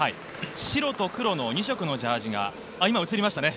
白と黒の２色のジャージーが今、映りましたね。